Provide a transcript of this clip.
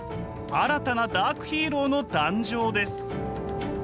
新たなダークヒーローの誕生です。